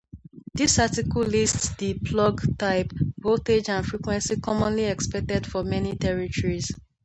This article lists the plug type, voltage and frequency commonly expected for many territories.